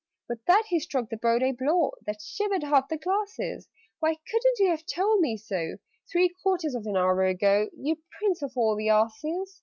With that he struck the board a blow That shivered half the glasses. "Why couldn't you have told me so Three quarters of an hour ago, You prince of all the asses?